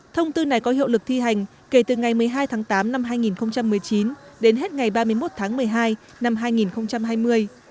thông tư này có hiệu lực thi hành kể từ ngày một mươi hai tháng tám năm hai nghìn một mươi chín đến hết ngày ba mươi một tháng một mươi hai năm hai nghìn hai mươi